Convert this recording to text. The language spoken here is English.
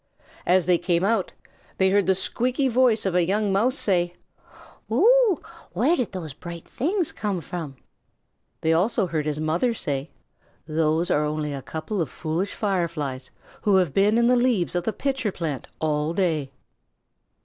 As they came out, they heard the squeaky voice of a young Mouse say, "Oh, where did those bright things come from?" They also heard his mother answer, "Those are only a couple of foolish Fireflies who have been in the leaves of the pitcher plant all day."